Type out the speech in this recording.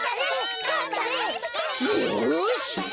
よし。